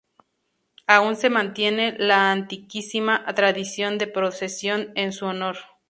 Aún se mantiene la antiquísima tradición de procesión en su honor.